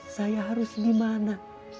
saya harus dimana